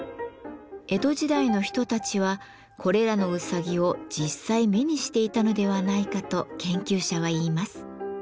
江戸時代の人たちはこれらのうさぎを実際目にしていたのではないかと研究者は言います。